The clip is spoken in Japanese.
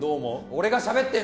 俺がしゃべって。